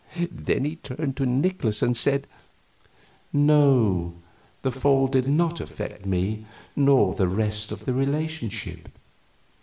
Then he turned to Nikolaus and said: "No, the Fall did not affect me nor the rest of the relationship.